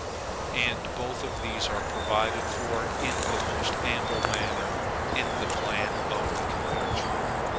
And both of these are provided for, in the most ample manner, in the plan of the convention.